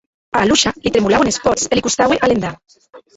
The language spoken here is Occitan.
A Aliosha li tremolauen es pòts e li costaue alendar.